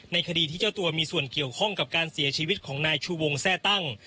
คดีที่เจ้าตัวมีส่วนเกี่ยวข้องกับการเสียชีวิตของนายชูวงแทร่ตั้ง